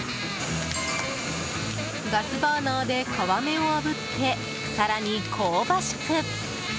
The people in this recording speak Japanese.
ガスバーナーで、皮目をあぶって更に香ばしく。